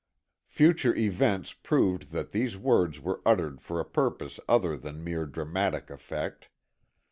Future events proved that these words were uttered for a purpose other than mere dramatic effect.